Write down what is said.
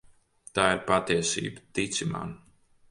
Tā ir patiesība, tici man.